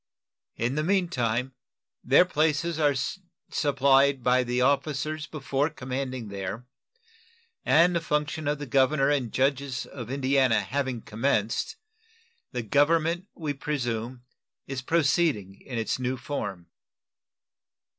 In the mean time, their places are supplied by the officers before commanding there, and the function of the governor and judges of Indiana having commenced, the government, we presume, is proceeding in its new form.